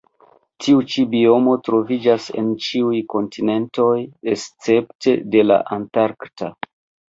Tiu ĉi biomo troviĝas en ĉiuj kontinentoj escepte de la antarkta.